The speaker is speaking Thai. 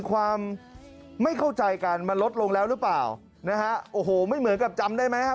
ความไม่เข้าใจกันมาลดลงแล้วหรือเปล่านะไม่เหมือนกับจำได้ไหมครับ